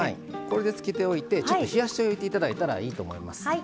これでつけておいてちょっと冷やしておいて頂いたらいいと思います。